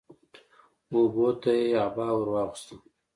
اوبو ته يې عبا ور واغوستل